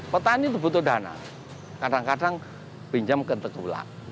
petani itu butuh dana kadang kadang pinjam ke tengkulak